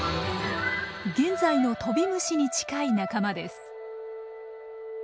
現在のトビムシに近い仲間です。